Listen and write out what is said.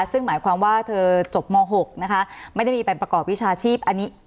ซึ่งหมายความว่าเธอจบม๖นะคะไม่ได้มีใบประกอบวิชาชีพอันนี้